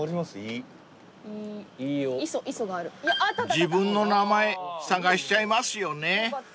［自分の名前探しちゃいますよね］